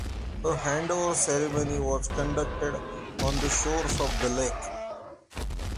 A handover ceremony was conducted on the shores of the lake.